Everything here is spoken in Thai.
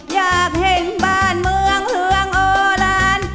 อยากเห็นบ้านเมืองเฮืองโอลาน